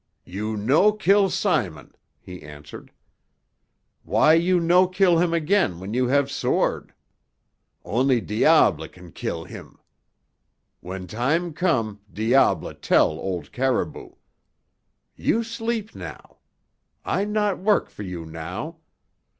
"You no kill Simon," he answered. "Why you no kill him again when you have sword? Only diable can kill him. When time come diable tell old Caribou. You sleep now. I not work for you now.